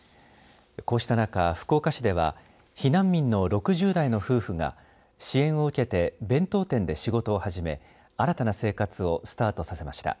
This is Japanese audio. こうした中、福岡市では避難民の６０代の夫婦が支援を受けて弁当店で仕事を始め新たな生活をスタートさせました。